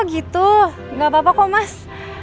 gitu gak apa apa kok mas